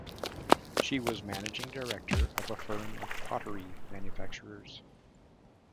She was managing director of a firm of pottery manufacturers.